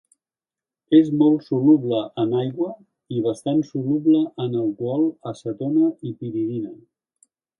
És molt soluble en aigua i bastant soluble en alcohol, acetona i piridina.